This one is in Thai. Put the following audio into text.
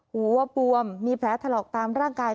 หัวปวมมีแผลถลอกตามร่างกาย